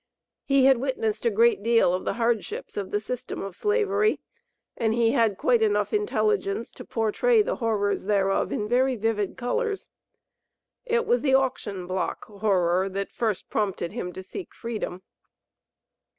He had witnessed a great deal of the hardships of the system of Slavery, and he had quite enough intelligence to portray the horrors thereof in very vivid colors. It was the auction block horror that first prompted him to seek freedom.